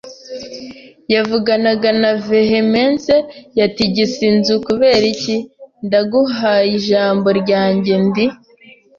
yavuganaga na vehemence yatigise inzu. “Kubera iki, ndaguhaye ijambo ryanjye, ndi